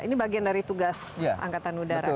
ini bagian dari tugas angkatan udara